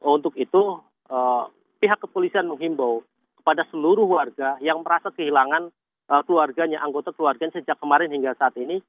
untuk itu pihak kepolisian menghimbau kepada seluruh warga yang merasa kehilangan keluarganya anggota keluarganya sejak kemarin hingga saat ini